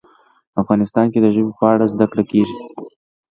افغانستان کې د ژبې په اړه زده کړه کېږي.